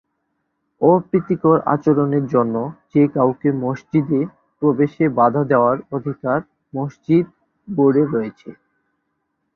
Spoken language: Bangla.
অপ্রীতিকর আচরণের জন্য যে কাউকে মসজিদে প্রবেশে বাধা দেওয়ার অধিকার মসজিদ বোর্ডের রয়েছে।